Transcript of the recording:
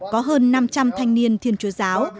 có hơn năm trăm linh thanh niên thiên chúa giáo